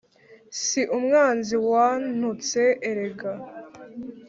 Si umwanzi wantutse erega